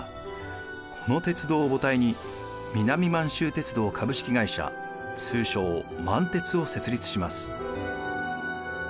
この鉄道を母体に南満州鉄道株式会社通称満鉄を設立します。